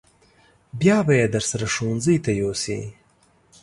بیا به یې درسره ښوونځي ته یوسې.